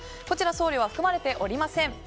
こちら送料は含まれておりません。